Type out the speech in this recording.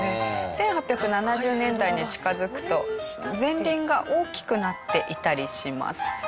１８７０年代に近付くと前輪が大きくなっていたりします。